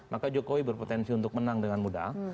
maka jokowi berpotensi untuk menang dengan mudah